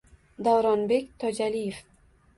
Davronbek Tojaliyev: